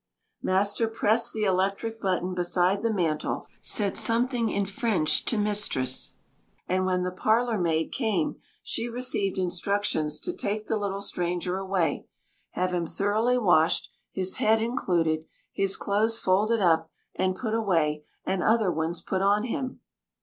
Master pressed the electric button beside the mantel, said something in French to mistress, and when the parlour maid came she received instructions to take the little stranger away, have him thoroughly washed, his head included, his clothes folded up and put away, and other ones put on him.